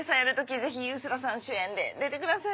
ぜひ臼田さん主演で出てください。